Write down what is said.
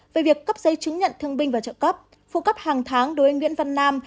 về việc cấp giấy chứng nhận thương binh và trợ cấp phụ cấp hàng tháng đối với nguyễn văn nam